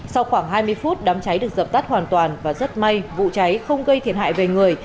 sau khoảng hai mươi phút đám cháy được dập tắt hoàn toàn và rất may vụ cháy không gây thiệt hại về người